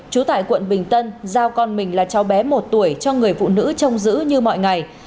trú tại quận bình tân giao con mình là cháu bé một tuổi cho người phụ nữ trông giữ như mọi ngày